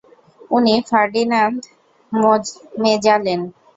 উনি Ferdinand Magellan.